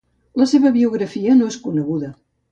La seva biografia no és coneguda.